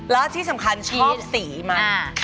แล้วที่สำคัญชอบสีมัน